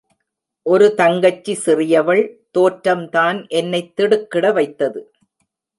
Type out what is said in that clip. ஒரு தங்கச்சி, சிறியவள் தோற்றம் தான் என்னைத் திடுக்கிட வைத்தது.